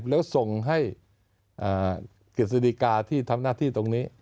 แล้วส่งให้กฤษฎิกาที่ทำหน้าที่ตรงนี้